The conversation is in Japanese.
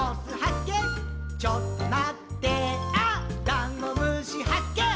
ダンゴムシはっけん